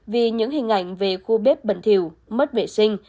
vì những hình ảnh về khu bếp bẩn thiểu mất vệ sinh